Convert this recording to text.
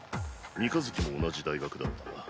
三日月も同じ大学だったな。